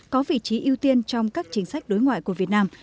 có vị trí ưu tiên trong các chính sách đối ngoại của việt nam